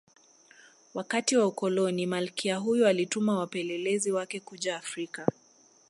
Wakati wa Ukoloni Malkia huyu alituma wapelelezi wake kuja Afrika